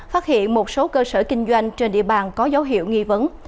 phát hiện một số cơ sở kinh doanh trên địa bàn có dấu hiệu nghi vấn